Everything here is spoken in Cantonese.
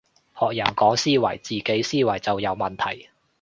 學人講思維，自己思維就有問題